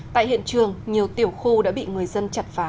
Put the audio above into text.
tại hiện trường nhiều tiểu khu đã bị người dân chặt phá